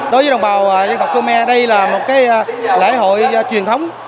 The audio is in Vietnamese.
đối với đồng bào dân tộc khmer đây là một lễ hội truyền thống